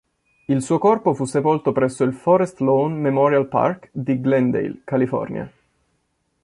Il suo corpo fu sepolto presso il Forest Lawn Memorial Park di Glendale, California.